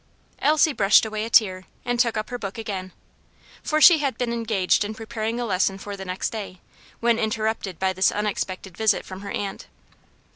Elsie brushed away a tear and took up her book again for she had been engaged in preparing a lesson for the next day, when interrupted by this unexpected visit from her aunt.